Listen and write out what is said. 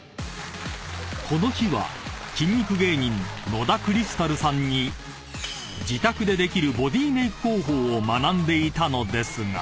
［この日は筋肉芸人野田クリスタルさんに自宅でできるボディメイク方法を学んでいたのですが］